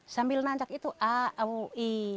sambil nanjak itu a aw i